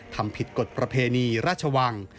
ทำผิดกฎประเพณีราชวัง